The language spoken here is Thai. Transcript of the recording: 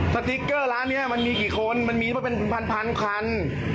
สติ๊กเกอร์ร้านนี้มันมีกี่คนมันมีมาเป็นพันคัน